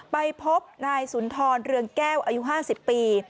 ไปพบนายสุนทรเรืองแก้วอายุ๕๐ปี